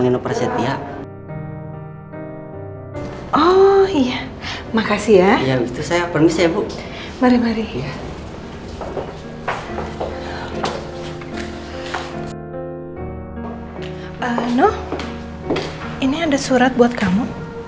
noh ini ada surat buat kamu